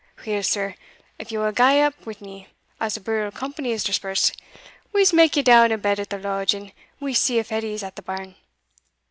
"Weel, sir, if ye will gae up wi' me, as the burial company has dispersed, we'se mak ye down a bed at the lodge, and we'se see if Edie's at the barn.